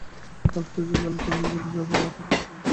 আলোকস্বল্পতায় খেলা থেমে যাওয়ায় আজ আর অলআউট হয়নি অস্ট্রেলিয়া।